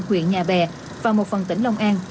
huyện nhà bè và một phần tỉnh long an